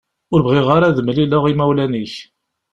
Ur bɣiɣ ara ad mlileɣ imawlan-ik.